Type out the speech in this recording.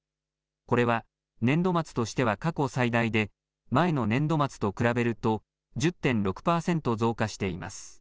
これは年度末としては過去最大で前の年度末と比べると１０．６％増加しています。